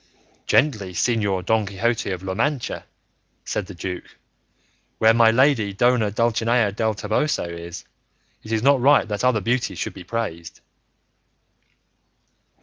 "Gently, Señor Don Quixote of La Mancha," said the duke; "where my lady Dona Dulcinea del Toboso is, it is not right that other beauties should be praised."